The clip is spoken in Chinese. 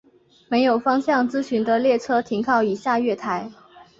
没有方向资讯的列车停靠以下月台。